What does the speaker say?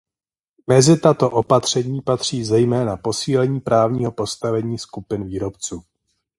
Mezi tato opatření patří zejména posílení právního postavení skupin výrobců.